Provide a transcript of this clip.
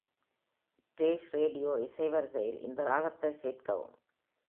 Rage radio இசைவரிசையில் இந்த ராகத்தை சேர்க்கவும்.